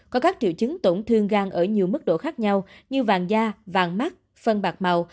có các triệu chứng tổn thương gan ở nhiều mức độ khác nhau như vàng da vàng mắt phân bạc màu